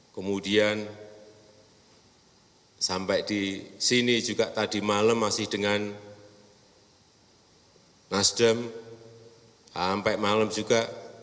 kemudian sampai di sini juga tadi malam masih dengan nasdem sampai malam juga